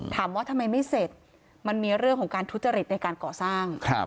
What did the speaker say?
ถามว่าทำไมไม่เสร็จมันมีเรื่องของการทุจริตในการก่อสร้าง